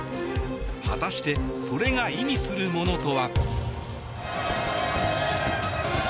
果たしてそれが意味するものとは。